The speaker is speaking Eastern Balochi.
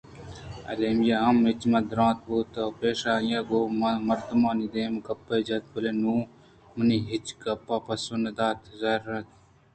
ایمیلیا ہم اچ من دور بوت ءُپیشءَ آئی ءَ گوں من مردمانی دیمءَ گپے جت بلئے نوں منی ہچ گپ ءِ پسو نہ دنت ءُزہر اِنت